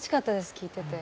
聴いてて。